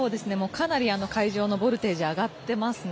かなり会場のボルテージ上がってますね。